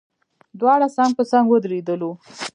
دواړه څنګ په څنګ ودرېدلو.